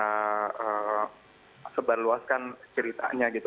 kita sebarluaskan ceritanya gitu